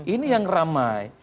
ini yang ramai